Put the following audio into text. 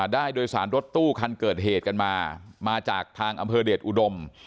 ได้โดยสารรถตู้คันเกิดเหตุกันมามาจากทางอำเภอเดชอุดม